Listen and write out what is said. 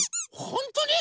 ほんとに？